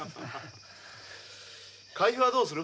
会費はどうする？